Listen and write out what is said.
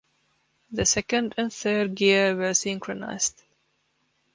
The second and third gear were synchronized.